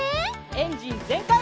エンジンぜんかい！